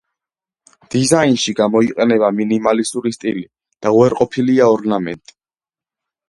დიზაინში გამოიყენება მინიმალისტური სტილი და უარყოფილია ორნამენტი.